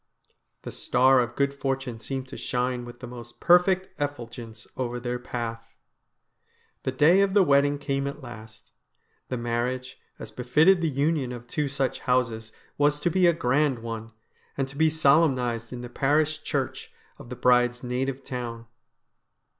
The star of good fortune seemed to shine with the most perfect effulgence over their path. The day of the wedding came at last. The marriage, as befitted the union of two such houses, was to be a grand one, and to be solemnised in the parish church of the bride's native town.